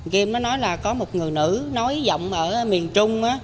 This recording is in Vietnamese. kim nó nói là có một người nữ nói giọng ở miền trung